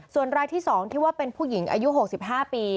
ส่วนรายที่๒ที่ว่าเป็นผู้หญิงอายุ๖๕ปี